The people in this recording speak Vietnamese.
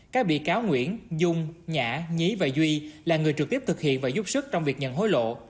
các bị cáo nguyễn dung nhã nhí và duy là người trực tiếp thực hiện và giúp sức trong việc nhận hối lộ